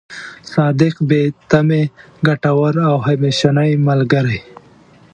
صادق، بې تمې، ګټور او همېشنۍ ملګری.